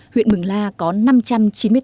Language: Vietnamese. huyện mường la có năm trăm linh triệu đồng